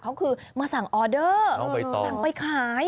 เขาคือมาสั่งออเดอร์สั่งไปขาย